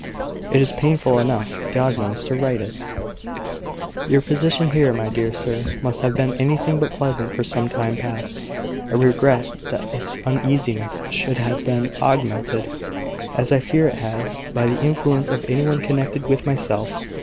It is painful enough, God knows, to write it! "Your position here, my dear sir, must have been anything but pleasant for some time past. I regret that its uneasiness should have been augmented, as I fear it has, by the influence of any one connected with myself.